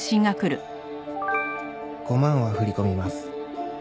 「５万は振り込みます」